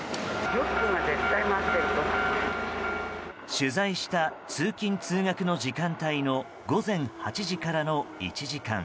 取材した通勤・通学の時間帯の午前８時からの１時間。